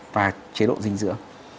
và chế độ dinh dưỡng